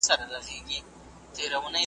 چي تر څو پوري د زور توره چلیږي `